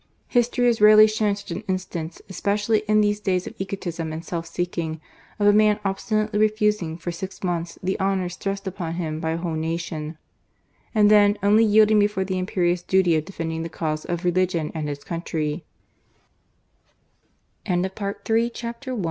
History has rarely shownl such an instance, eq>ecially in these days of ^otism and self seeking, of a nmn obstinately refusing for six months the honours thrust upon him by a whole nation, and then only yielding before the imperious duty of defending the cause of religion and hi